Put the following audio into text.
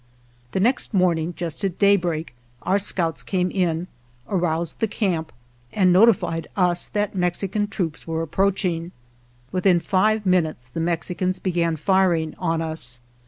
The next morning just at daybreak our scouts came in, aroused the camp, and notified us that Mex ican troops were approaching. Within five minutes the Mexicans began firing on us.